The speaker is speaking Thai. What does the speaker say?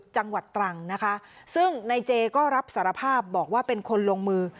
จังหวัดตรังนะคะซึ่งในเจก็รับสารภาพบอกว่าเป็นคนลงมือ